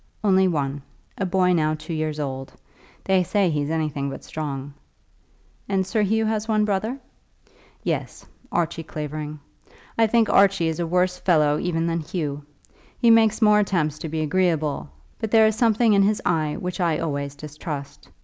"Only one, a boy now two years old. They say he's anything but strong." "And Sir Hugh has one brother." "Yes; Archie Clavering. I think Archie is a worse fellow even than Hugh. He makes more attempts to be agreeable, but there is something in his eye which I always distrust.